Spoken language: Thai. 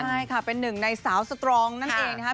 ใช่ค่ะเป็นหนึ่งในสาวสตรองนั่นเองนะครับ